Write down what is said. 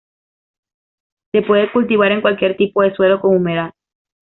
Se puede cultivar en cualquier tipo de suelo con humedad.